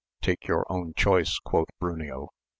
Take your own choice, quoth Bruneo.